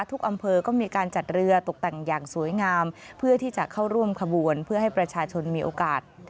อำเภอก็มีการจัดเรือตกแต่งอย่างสวยงามเพื่อที่จะเข้าร่วมขบวนเพื่อให้ประชาชนมีโอกาส